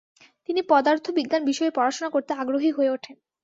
তিনি পদার্থবিজ্ঞান বিষয়ে পড়াশোনা করতে আগ্রহী হয়ে ওঠেন।